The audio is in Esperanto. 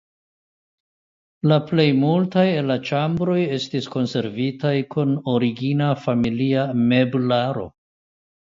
La plej multaj el la ĉambroj estis konservitaj kun origina familia meblaro.